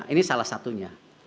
ini salah satunya